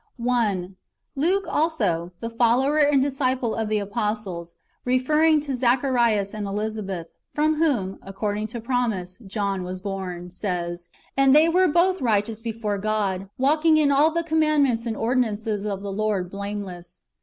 1. Luke also, the follower and disciple of the apostles, referrinor to Zacharias and Elisabeth, from whom, accordins; to promise, John was born, says :" And they were both righteous before God, walking in all the commandments and ordinances of the Lord blameless."